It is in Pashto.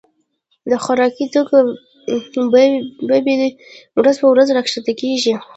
د خوراکي توکو بيي ورځ په ورځ را کښته کيږي.